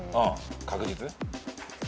確実？